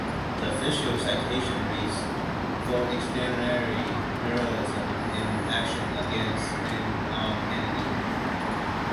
The official citation reads: For extraordinary heroism in action against an armed enemy.